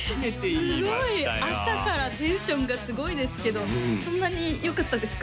すごい朝からテンションがすごいですけどそんなによかったですか？